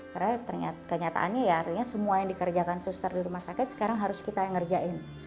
karena kenyataannya ya artinya semua yang dikerjakan suster di rumah sakit sekarang harus kita yang ngerjain